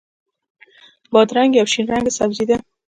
بادرنګ یو شین رنګه سبزي ده.